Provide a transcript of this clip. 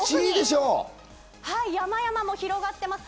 山々も広がってます。